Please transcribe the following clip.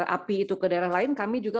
api itu ke daerah lain kami juga